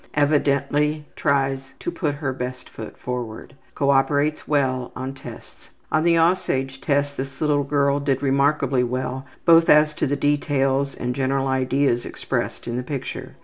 Evidently tries to put her best foot forward. Cooperates well on tests. On the ``Aussage'' test this little girl did remarkably well both as to the details and general ideas expressed in the picture.